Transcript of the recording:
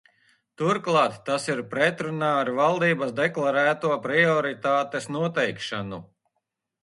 Turklāt tas ir pretrunā ar valdības deklarēto prioritātes noteikšanu.